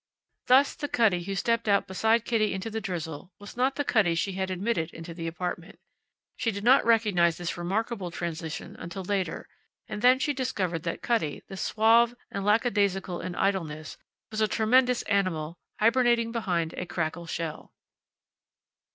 Thus the Cutty who stepped out beside Kitty into the drizzle was not the Cutty she had admitted into the apartment. She did not recognize this remarkable transition until later; and then she discovered that Cutty, the suave and lackadaisical in idleness, was a tremendous animal hibernating behind a crackle shell.